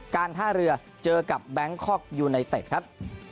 การท่าเรือเจอกับแบงคอกยูไนเต็ดครับ